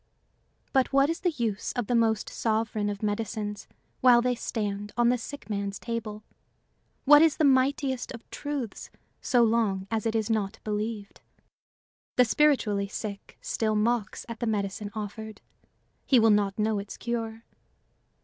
But what is the use of the most sovereign of medicines while they stand on the sick man's table? What is the mightiest of truths so long as it is not believed? The spiritually sick still mocks at the medicine offered; he will not know its cure.